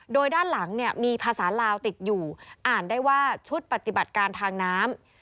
โดยด้านหลังเนี่ยมีภาษาลาวติดอยู่อ่านได้ว่าชุดปฏิบัติการทางน้ำ